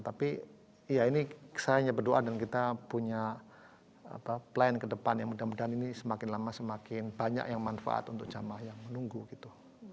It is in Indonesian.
tapi ya ini saya hanya berdoa dan kita punya plan ke depan yang mudah mudahan ini semakin lama semakin banyak yang manfaat untuk jamaah yang menunggu gitu